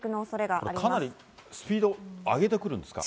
かなりスピード上げてくるんですか？